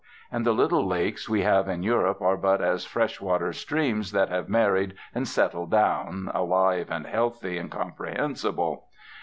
And the little lakes we have in Europe are but as fresh water streams that have married and settled down, alive and healthy and comprehensible.